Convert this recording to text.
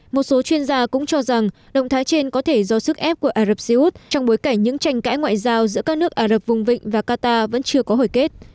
một số chuyên gia cũng cho rằng động thái trên có thể do sức ép của ả rập xê út trong bối cảnh những tranh cãi ngoại giao giữa các nước ả rập vùng vịnh và qatar vẫn chưa có hồi kết